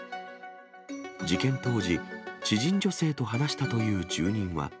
事件当時、知人女性と話したという住人は。